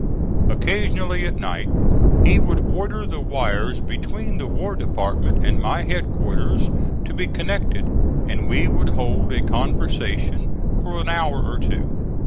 Occasionally at night he would order the wires between the War Department and my headquarters to be connected, and we would hold a conversation for an hour or two.